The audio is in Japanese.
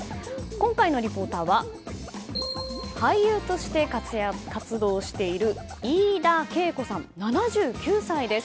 今回のリポーターは俳優として活動している飯田圭子さん、７９歳です。